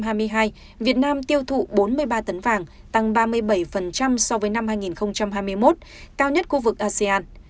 năm hai nghìn hai mươi hai việt nam tiêu thụ bốn mươi ba tấn vàng tăng ba mươi bảy so với năm hai nghìn hai mươi một cao nhất khu vực asean